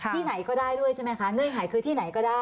ที่ไหนก็ได้ด้วยใช่ไหมคะเงื่อนไขคือที่ไหนก็ได้